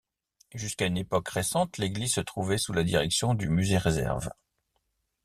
Jusqu'à une époque récente l'église se trouvait sous la direction du musée-réserve.